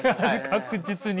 確実に。